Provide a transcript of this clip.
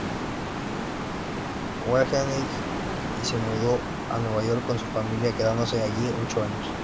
Guggenheim y se mudó a Nueva York con su familia, quedándose allí ocho años.